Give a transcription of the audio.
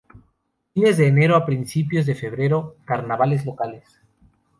Fines de enero a principios de febrero: Carnavales locales.